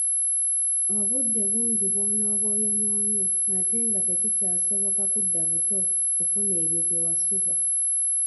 Obudde bungi bwonooba oyonoonye ate nga tekikyabosoka kudda buto kufuna ebyo bye wasubwa.